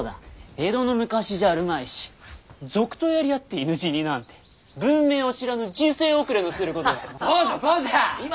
江戸の昔じゃあるまいし賊とやり合って犬死になんて文明を知らぬ時勢遅れのすることだ。